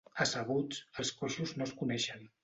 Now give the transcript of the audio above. Asseguts, els coixos no es coneixen.